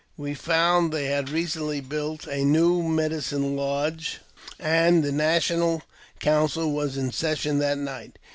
We found they had recently built a new medicine lodge, and the national council was in session that night.